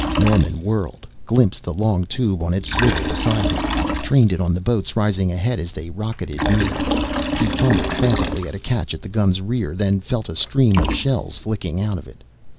Norman whirled, glimpsed the long tube on its swivel beside him, trained it on the boats rising ahead as they rocketed nearer. He fumbled frantically at a catch at the gun's rear, then felt a stream of shells flicking out of it.